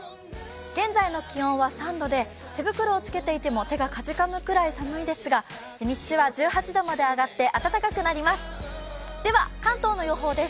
現在の気温は３度で、手袋をつけていても手がかじかむぐらい寒いですが日中は１８度まで上がって暖かくなります。